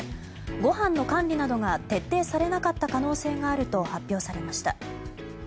ご飯の管理などが徹底されなかった可能性があると発表されました。